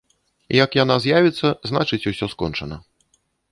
Як яна з'явіцца, значыць, усё скончана.